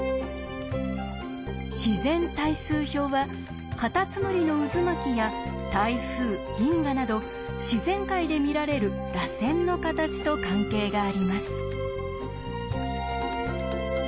自然対数表はかたつむりの渦巻きや台風銀河など自然界で見られる「らせん」の形と関係があります。